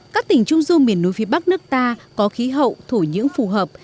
các tỉnh trung du miền núi phía bắc nước ta có khí hậu thổ nhưỡng phù hợp